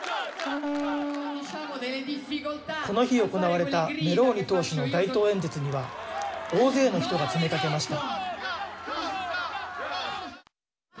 この日、行われたメローニ党首の街頭演説には大勢の人が詰めかけました。